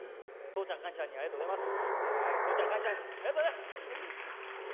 父ちゃん、母ちゃん、ありがとうございます！